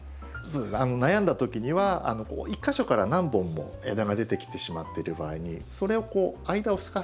悩んだ時には一か所から何本も枝が出てきてしまっている場合にそれをこう間をすかせる。